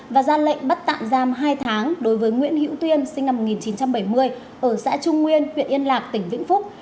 và ra lệnh bắt tạm giam hai tháng đối với nguyễn hữu tuyên sinh năm một nghìn chín trăm bảy mươi ở xã trung nguyên huyện yên lạc tỉnh vĩnh phúc